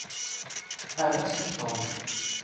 Err-as i Tom.